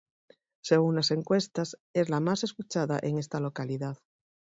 Según las encuestas, es la más escuchada en esta localidad.